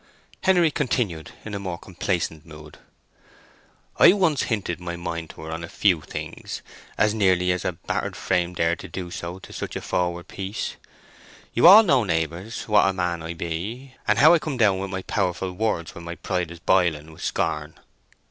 Henery continued in a more complaisant mood: "I once hinted my mind to her on a few things, as nearly as a battered frame dared to do so to such a froward piece. You all know, neighbours, what a man I be, and how I come down with my powerful words when my pride is boiling wi' scarn?"